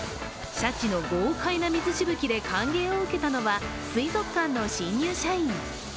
シャチの豪快な水しぶきで歓迎を受けたのは水族館の新入社員。